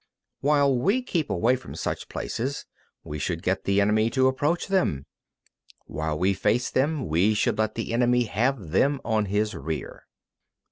16. While we keep away from such places, we should get the enemy to approach them; while we face them, we should let the enemy have them on his rear.